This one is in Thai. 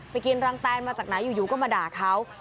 ไปกินรังแตนมาจากไหนอยู่ก็มาด่าเขา